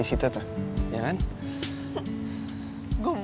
sebenernya gak mau